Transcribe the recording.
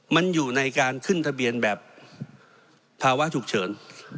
มันอยู่ในการขึ้นทะเบียนแบบภาวะฉุกเฉิน